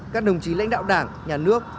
các đồng chí lãnh đạo đảng nhà nước